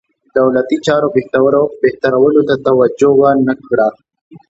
دولتي چارو بهترولو ته توجه ونه کړه.